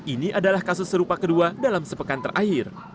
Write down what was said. ini adalah kasus serupa kedua dalam sepekan terakhir